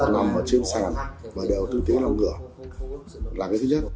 nằm ở trên sàn và đều tử thi làm ngựa là cái thứ nhất